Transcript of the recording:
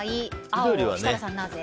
青、設楽さん、なぜ？